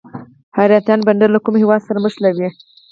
حیرتان بندر له کوم هیواد سره نښلوي؟